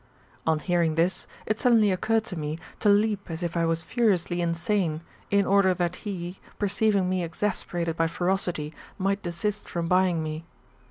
" On hearing this, it suddenly occurred to me to leap as if I was furiously insane, in order that he, perceiving me exasperated by ferocity, might desist from buying me.